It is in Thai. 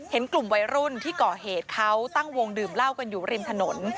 เห็นกลุ่มวัยรุ่นที่ก่อเหตุเขาตั้งวงดื่มเหล้ากันอยู่ริมถนน